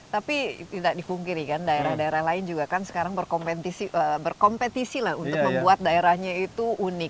tapi tidak dipungkiri kan daerah daerah lain juga kan sekarang berkompetisi lah untuk membuat daerahnya itu unik